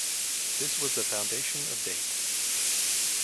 This was the foundation of Date.